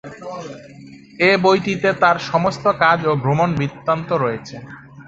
এই বইটিতে তার সমস্ত কাজ ও ভ্রমণ বৃত্তান্ত রয়েছে।